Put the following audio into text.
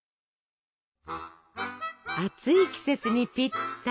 暑い季節にぴったり！